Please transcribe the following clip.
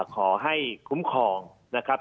ขอให้คุ้มครองนะครับ